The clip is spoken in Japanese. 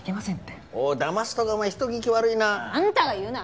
おいだますとかお前人聞き悪いなあ。あんたが言うな！